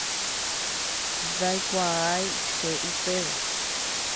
Ndaikuaái che upéva.